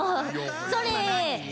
それ！